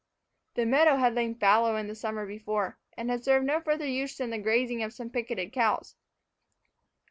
The meadow had lain fallow the summer before, and had served no further use than the grazing of some picketed cows.